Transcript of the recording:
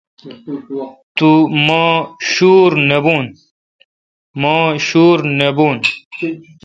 مہ شور نہ بھوں۔